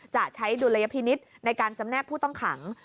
จะใช้ดุลยพินิษฐ์ในการจำแนกผู้ต้องขัง